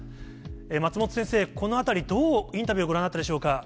松本先生、このあたり、どうインタビューをご覧になったでしょうか。